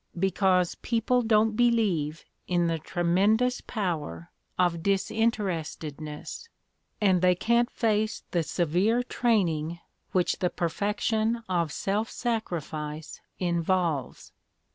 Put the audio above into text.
Because people don't believe in the tremendous power of disinterestedness, and they can't face the severe training which the perfection of self sacrifice involves.